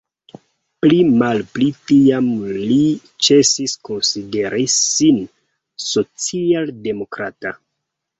Pli malpli tiam li ĉesis konsideri sin social-demokrato.